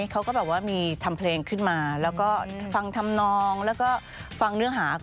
เขาก็แบบว่ามีทำเพลงขึ้นมาแล้วก็ฟังทำนองแล้วก็ฟังเนื้อหา